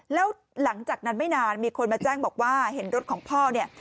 แล้วหลังจากนั้นไม่นานมีคนมาแจ้งบอกว่าเห็นรถของพ่อเนี่ย